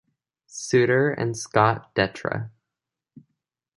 Suter, and Scott Dettra.